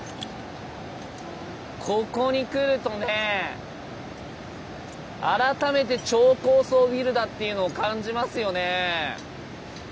ここに来るとね改めて超高層ビルだっていうのを感じますよね。